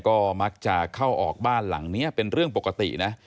ก็มักจะเข้าออกบ้านหลังนี้เป็นเรื่องปกตินะ